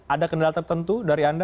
ada kendala tertentu dari anda